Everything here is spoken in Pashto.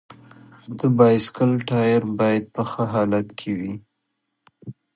د بایسکل ټایر باید په ښه حالت کې وي.